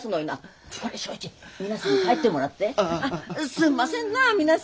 すんませんな皆さん。